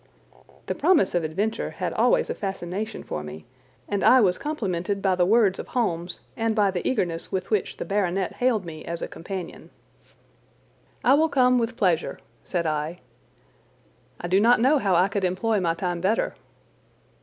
The promise of adventure had always a fascination for me, and I was complimented by the words of Holmes and by the eagerness with which the baronet hailed me as a companion. "I will come, with pleasure," said I. "I do not know how I could employ my time better."